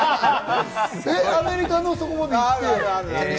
アメリカのそこまで行って？